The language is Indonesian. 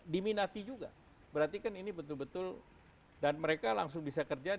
diminati juga berarti kan ini betul betul dan mereka langsung bisa kerja